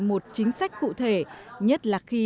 một chính sách cụ thể nhất là khi